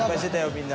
みんな。